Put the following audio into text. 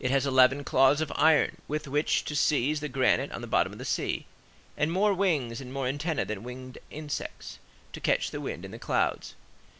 It has eleven claws of iron with which to seize the granite on the bottom of the sea, and more wings and more antennæ than winged insects, to catch the wind in the clouds.